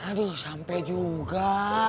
aduh sampe juga